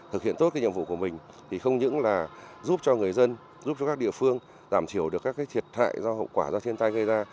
thực hiện tốt nhiệm vụ của mình thì không những là giúp cho người dân giúp cho các địa phương giảm thiểu được các thiệt hại do hậu quả do thiên tai gây ra